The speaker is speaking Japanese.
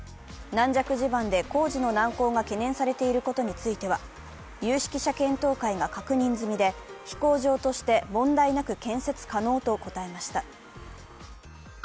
軟弱地盤で工事の難航が懸念されていることについては、有識者検討会が確認済みで、飛行場として問題なく建設可能と答えました。